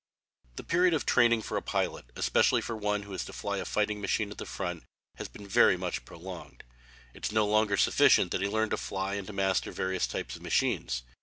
The period of training for a pilot, especially for one who is to fly a fighting machine at the front, has been very much prolonged. It is no longer sufficient that he learns to fly and to master various types of machines.